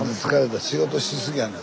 仕事し過ぎやねん。